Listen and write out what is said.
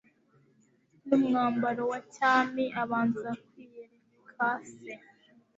n'umwambaro wa cyami. Abanza kwiyereka Se.